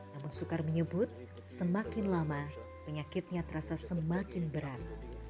namun soekar menyebut semakin lama penyakitnya terasa semakin berat